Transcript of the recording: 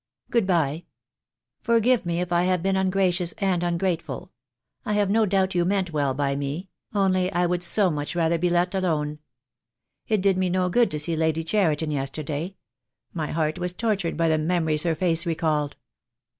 Good bye. Forgive me if I have been ungracious and ungrate ful. I have no doubt you meant well by me — only I would so much rather be let alone. It did me no good to see Lady Cheriton yesterday. My heart was tortured by the memories her face recalled."